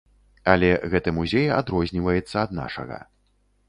Але гэты музей адрозніваецца ад нашага.